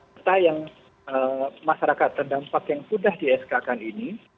serta yang masyarakat terdampak yang sudah di sk kan ini